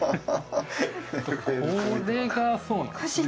これがそうなんですね